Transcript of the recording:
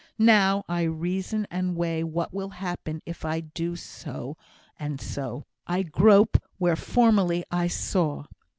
Now, I reason and weigh what will happen if I do so and so I grope where formerly I saw.